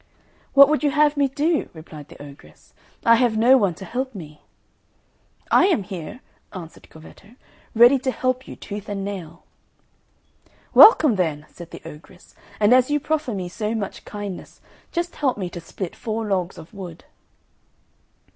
"What would you have me do?" replied the ogress. "I have no one to help me." "I am here," answered Corvetto, "ready to help you tooth and nail." "Welcome, then!" said the ogress; "and as you proffer me so much kindness, just help me to split four logs of wood."